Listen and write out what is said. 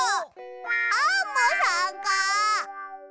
アンモさんか。